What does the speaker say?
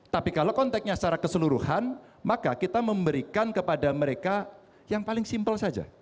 tapi kalau konteknya secara keseluruhan maka kita memberikan kepada mereka yang paling simpel saja